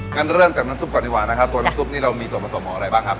งั้นเริ่มจากน้ำซุปก่อนดีกว่านะครับตัวน้ำซุปนี้เรามีส่วนผสมของอะไรบ้างครับ